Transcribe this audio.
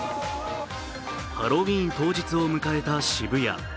ハロウィーン当日を迎えた渋谷。